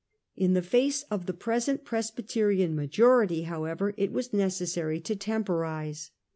In the face of the present Presbyterian majority how ever it was necessary to temporise.